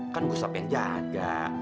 kan gustaf yang jaga